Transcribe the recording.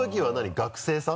学生さん？